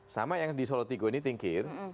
sama yang di solo tigo ini tingkir